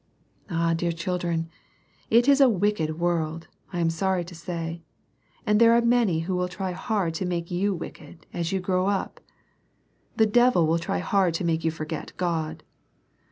Ah ! dear children, it is a wicked world, I am sorry to say; and there are many will try hard to make you wicked, as you grow up. The devil will try hard to make you forget God.